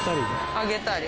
揚げたり。